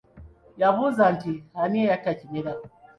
Yabuuza nti ani yatta Kimera?